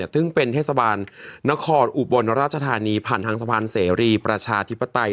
ซึ่งเป็นเทศบาลนครอุบลราชธานีผ่านทางสะพานเสรีประชาธิปไตย